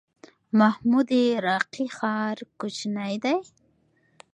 محمود راقي ښار کوچنی دی؟